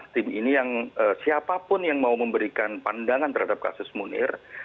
tim ini yang siapapun yang mau memberikan pandangan terhadap kasus munir